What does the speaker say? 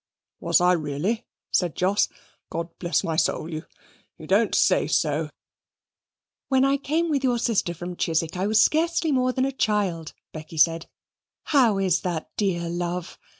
"Was I really?" said Jos. "God bless my soul, you you don't say so." "When I came with your sister from Chiswick, I was scarcely more than a child," Becky said. "How is that, dear love?